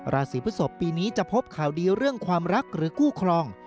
ราศีพฤศพปีนี้จะพบข่าวดีเรื่องความรักหรือคู่ครอง